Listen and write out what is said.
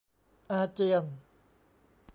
อาเจียน